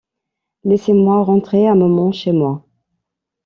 Laissez-moi rentrer un moment chez moi.